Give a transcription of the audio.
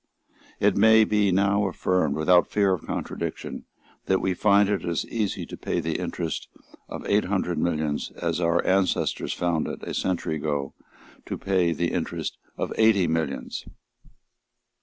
It may be now affirmed without fear of contradiction that we find it as easy to pay the interest of eight hundred millions as our ancestors found it, a century ago, to pay the interest of eighty millions.